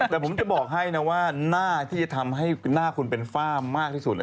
แต่ผมจะบอกให้นะว่าหน้าที่จะทำให้หน้าคุณเป็นฝ้ามากที่สุด